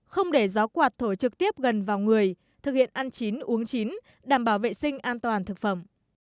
không để gió quạt thổi trực tiếp gần vào người thực hiện ăn chín uống chín đảm bảo vệ sinh an toàn thực phẩm